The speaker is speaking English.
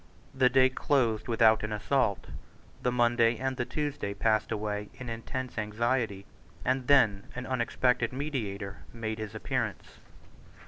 The day closed without an assault; the Monday and the Tuesday passed away in intense anxiety; and then an unexpected mediator made his appearance.